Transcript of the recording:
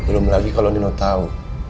belum lagi kalau nino tahu